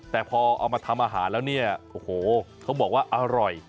แต่พอเอามาทำอาหารแล้วเนี่ยโอ้โหเขาบอกว่าอร่อย